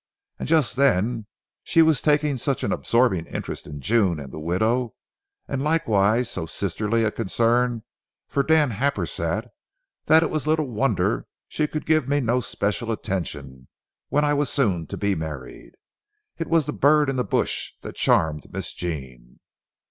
And just then she was taking such an absorbing interest in June and the widow, and likewise so sisterly a concern for Dan Happersett, that it was little wonder she could give me no special attention when I was soon to be married. It was the bird in the bush that charmed Miss Jean.